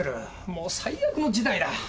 もう最悪の事態だ。